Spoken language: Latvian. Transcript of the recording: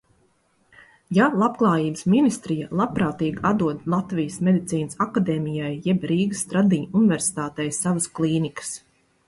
Ja Labklājības ministrija labprātīgi atdod Latvijas Medicīnas akadēmijai jeb Rīgas Stradiņa universitātei savas klīnikas.